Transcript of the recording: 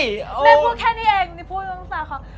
แม่พูดแค่นี้เอง